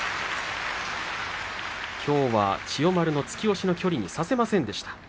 きょうは千代丸の突き押しの距離にさせませんでした。